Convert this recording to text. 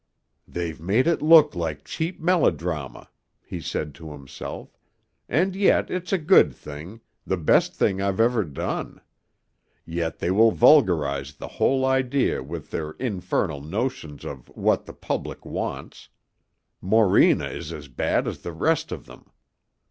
"They've made it look like cheap melodrama," he said to himself; "and yet it's a good thing, the best thing I've ever done. Yet they will vulgarize the whole idea with their infernal notions of 'what the public wants.' Morena is as bad as the rest of them!"